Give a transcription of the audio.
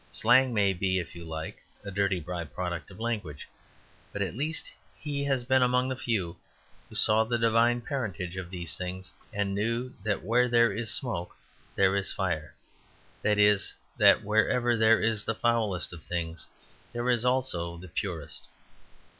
Slang may be, if you like, a dirty by product of language. But at least he has been among the few who saw the divine parentage of these things, and knew that where there is smoke there is fire that is, that wherever there is the foulest of things, there also is the purest.